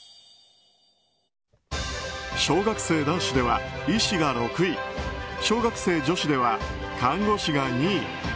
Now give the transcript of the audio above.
小学生男子では医師が６位小学生女子では看護士が２位。